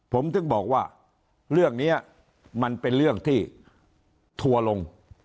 ผมถึงบอกว่าเรื่องนี้มันเป็นเรื่องที่ทัวร์ลง